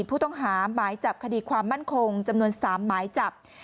ผู้ต้องหาหมายจับคดีความมั่นคงจำนวน๓หมายจับ